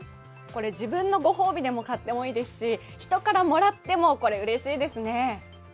これ自分のご褒美でも買ってもいいですし人からもらっても、これ、うれしいですね。